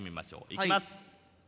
いきます。